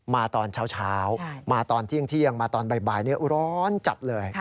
มาตอนเช้ามาตอนเที่ยงมาตอนบ่ายร้อนจัดเลย